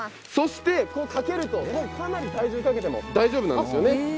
そして、かけると、かなり体重をかけても大丈夫なんですね。